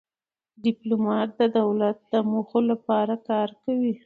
ډيپلومات د دولت د موخو لپاره کار کوي.